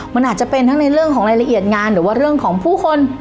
มันอาจจะเป็นทั้งในเรื่องของรายละเอียดงานหรือว่าเรื่องของผู้คน